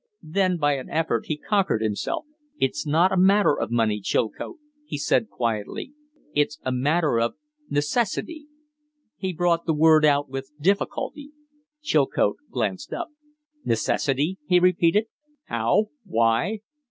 Then by an effort he conquered himself, "It's not a matter of money, Chilcote," he said, quietly; "it's a matter of necessity." He brought the word out with difficulty. Chilcote glanced up. "Necessity?" he repeated. "How? Why?"